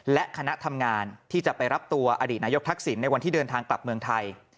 และคณะทำงานที่จะไปรับตัวอดีตนายกทักษิณในวันที่เดินทางกลับเมืองไทย